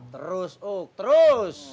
terus uuk terus